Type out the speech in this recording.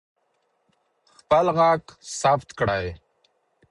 خپل غږ ثبت کړئ.